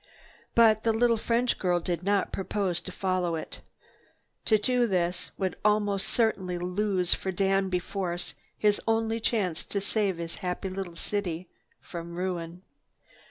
But the little French girl did not propose to follow it. To do this would almost certainly lose for Danby Force his only chance to save his happy little city from ruin.